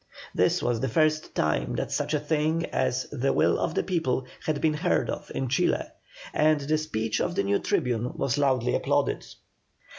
This was the first time that such a thing as "the will of the people" had been heard of in Chile, and the speech of the new tribune was loudly applauded.